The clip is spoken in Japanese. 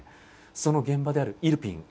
その現場であるイルピン。